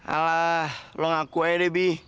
alah lu ngaku aja deh bi